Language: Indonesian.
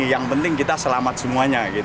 yang penting kita selamat semuanya